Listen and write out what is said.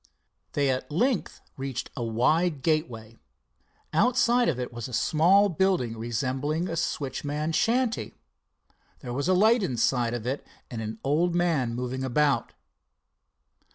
They at length reached a wide gateway. Outside of it was a small building resembling a switchman's shanty. There was a light inside of it and an old man moving about.